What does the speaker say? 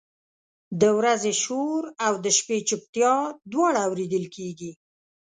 د ورځې شور او د شپې چپتیا دواړه اورېدل کېږي.